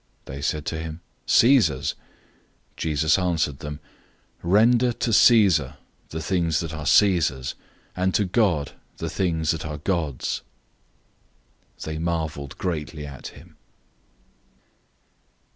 They said to him, "Caesar's." 012:017 Jesus answered them, "Render to Caesar the things that are Caesar's, and to God the things that are God's." They marveled greatly at him.